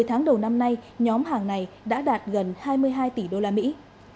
một mươi tháng đầu năm nay nhóm hàng này đã đạt gần hai mươi hai tỷ đô la mỹ